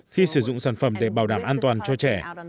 khi sử dụng sản phẩm để bảo đảm an toàn cho trẻ